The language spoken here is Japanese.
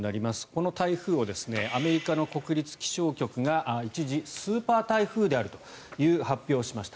この台風をアメリカの国立気象局が一時、スーパー台風であるという発表をしました。